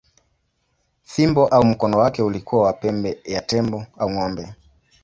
Fimbo au mkono wake ulikuwa wa pembe ya tembo au ng’ombe.